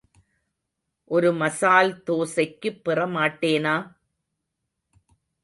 ஒரு மசால் தோசைக்குப் பெறமாட்டேனா?